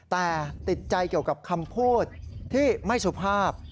แต่ติดใจเกี่ยวกับคำพูดที่ไม่สุภาพ